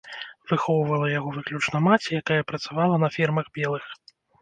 Выхоўвала яго выключна маці, якая працавала на фермах белых.